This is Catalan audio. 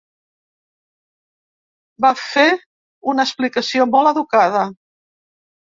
Va fer una explicació molt educada.